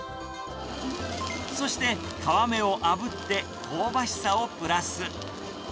そして、皮目をあぶって、香ばしさをプラス。